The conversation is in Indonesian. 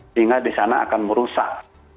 sehingga di sana akan merusak